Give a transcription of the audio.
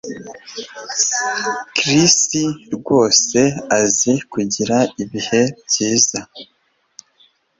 Chris rwose azi kugira ibihe byiza